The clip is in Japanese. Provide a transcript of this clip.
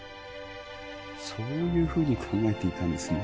そういうふうに考えていたんですね